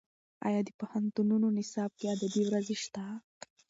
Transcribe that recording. ایا د پوهنتونونو نصاب کې ادبي ورځې شته؟